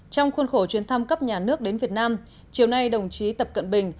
trong khuôn khổ chuyến thăm cấp nhà nước đến việt nam chiều nay đồng chí tập cận bình